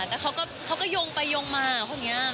แต่เขาก็ยงไปยงมาคนเนี้ย